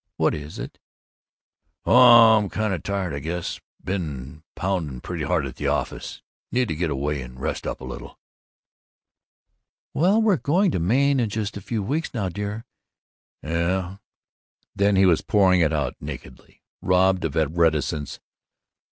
What is it?" "Oh, I'm kind of tired, I guess. Been pounding pretty hard at the office. Need to get away and rest up a little." "Well, we're going to Maine in just a few weeks now, dear." "Yuh " Then he was pouring it out nakedly, robbed of reticence.